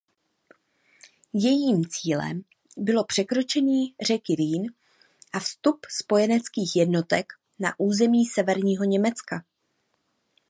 Jejím cílem bylo překročení řeky Rýn a vstup spojeneckých jednotek na území severního Německa.